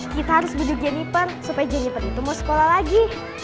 kita harus bunjuk jennifer supaya jennifer itu mau sekolah lagi